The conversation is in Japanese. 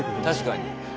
確かに。